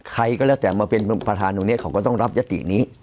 ใครก็แล้วแต่มาเป็นประธานตรงนี้เขาก็ต้องรับยตินี้